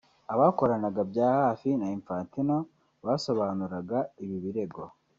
abakoranaga bya hafi na Infantino basobanuraga ibi birego